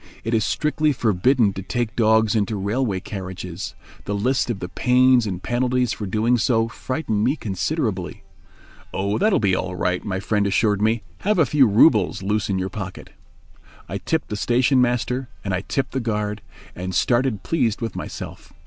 It is strictly forbidden to take dogs into railway carriages. The list of the pains and penalties for doing so frightened me considerably. "Oh, that will be all right," my friend assured me; "have a few roubles loose in your pocket." I tipped the station master and I tipped the guard, and started pleased with myself.